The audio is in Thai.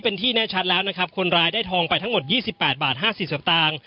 เป็นที่แน่ชัดแล้วนะครับคนร้ายได้ทองไปทั้งหมดยี่สิบแปดบาทห้าสิบสัปตาล